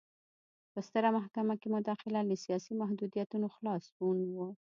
په ستره محکمه کې مداخله له سیاسي محدودیتونو خلاصون و.